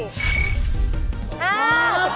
๕๓บาท